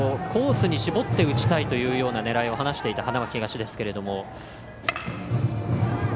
コースに絞って打ちたいというような狙いを話していた、花巻東ですけれども。